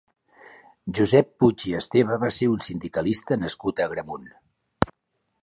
Josep Puig i Esteve va ser un sindicalista nascut a Agramunt.